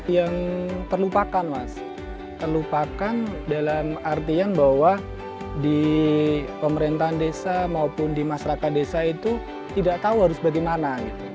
yang terlupakan mas terlupakan dalam artian bahwa di pemerintahan desa maupun di masyarakat desa itu tidak tahu harus bagaimana